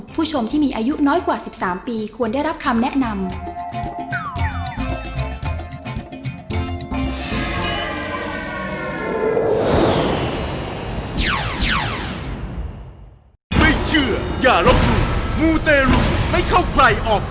ผู้ชมที่มีอายุน้อยกว่า๑๓ปีควรได้รับคำแนะนำ